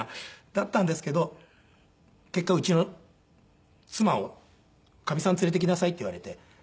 だったんですけど結果うちの妻を「かみさん連れてきなさい」って言われて。